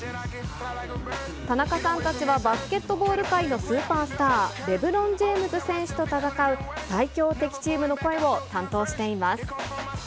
田中さんたちは、バスケットボール界のスーパースター、レブロン・ジェームズ選手と戦う最強敵チームの声を担当しています。